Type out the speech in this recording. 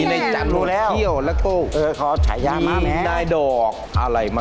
ในจันทร์หมดเขี้ยวมีแน่แทนกว่านี่แหละครับ